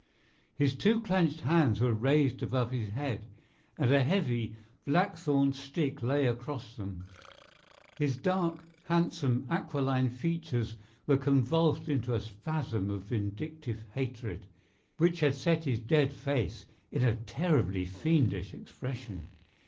His two clenched hands were raised above his head, and a heavy, blackthorn stick lay across them. His dark, handsome, aquiline features were convulsed into a spasm of vindictive hatred, which had set his dead face in a terribly fiendish expression.